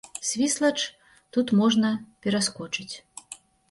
Свіслач тут можна пераскочыць.